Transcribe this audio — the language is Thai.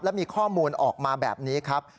และมีข้อมูลออกมาแบบนี้ครับ